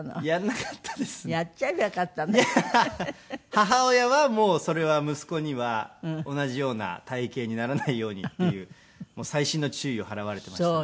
母親はそれは息子には同じような体形にならないようにっていう細心の注意を払われていましたね。